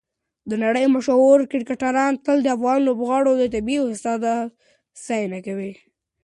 د نړۍ مشهور کرکټران تل د افغان لوبغاړو د طبیعي استعداد ستاینه کوي.